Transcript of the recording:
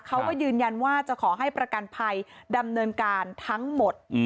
เขาก็ยืนยันว่าจะขอให้ประกันภัยดำเนินการทั้งหมด